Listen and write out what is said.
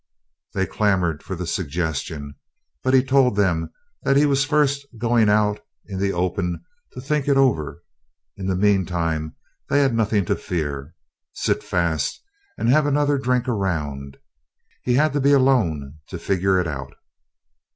They clamored for the suggestion, but he told them that he was first going out into the open to think it over. In the meantime they had nothing to fear. Sit fast and have another drink around. He had to be alone to figure it out.